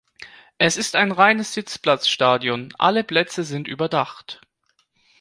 Es ist ein reines Sitzplatzstadion, alle Plätze sind überdacht.